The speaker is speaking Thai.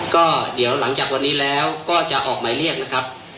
ก็เดี๋ยวหลังจากวันนี้แล้วก็จะออกหมายเรียกนะครับ